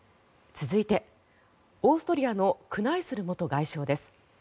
続いて、オーストリアのクナイスル元外相です。